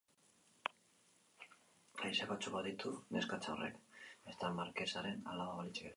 Haize batzuk baditu neskatxa horrek!, ezta markesaren alaba balitz ere!